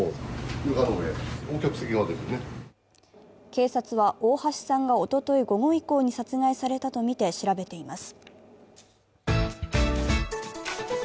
警察は、大橋さんがおととい午後以降に殺害されたとみて、調べています。